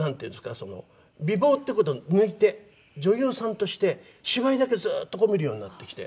その美貌っていう事抜いて女優さんとして芝居だけずっとこう見るようになってきて。